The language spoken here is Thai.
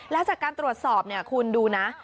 แล้วจากการตรวจสอบคุณดูนะ